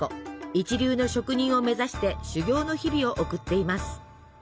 一流の職人を目指して修業の日々を送っています。